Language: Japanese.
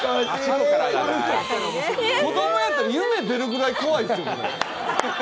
子供やったら夢出るくらい怖いですよ。